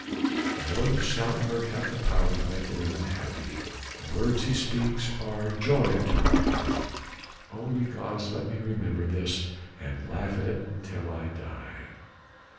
The Lord of Stoutenburg hath the power to make a woman happy! the words he speaks are joy unto her heart! Oh! ye gods, let me remember this and laugh at it until I die!"